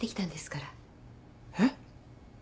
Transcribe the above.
えっ？